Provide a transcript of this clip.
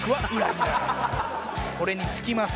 「これに尽きます」